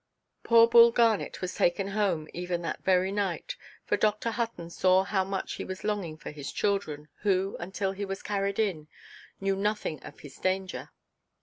Poor Bull Garnet was taken home, even that very night. For Dr. Hutton saw how much he was longing for his children, who (until he was carried in) knew nothing of his danger.